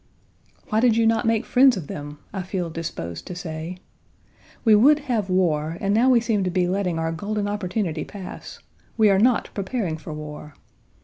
"Why did you not make friends of them," I feel disposed to say. We would have war, and now we seem to be letting our golden opportunity pass; we are not preparing for war.